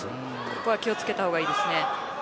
ここは気を付けた方がいいです。